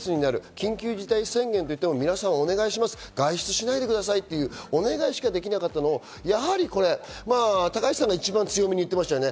緊急事態宣言といっても、皆さんお願いします、外出しないでくださいというお願いしかできなかったのを高市さんが一番強めに言ってましたね。